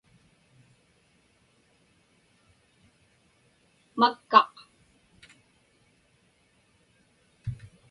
makkaq